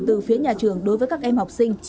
từ phía nhà trường đối với các em học sinh